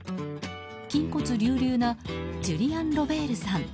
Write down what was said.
筋骨隆々なジュリアン・ロベールさん。